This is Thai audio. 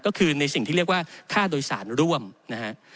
ก็คือในสิ่งที่เรียกว่าค่าโดยสารร่วมนะฮะ